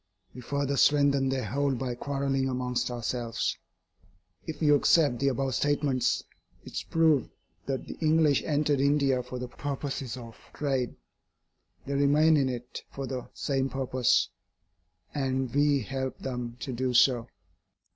We further strengthen their hold by quarrelling amongst ourselves. If you accept the above statements, it is proved that the English entered India for the purposes of trade. They remain in it for the same purpose, and we help them to do so.